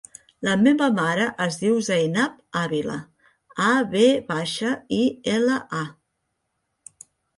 La meva mare es diu Zainab Avila: a, ve baixa, i, ela, a.